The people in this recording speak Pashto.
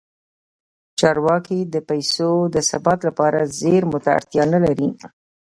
چارواکي د پیسو د ثبات لپاره زیرمو ته اړتیا نه لري.